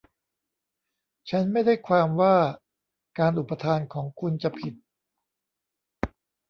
ฉันไม่ได้ความว่าการอุปทานของคุณจะผิด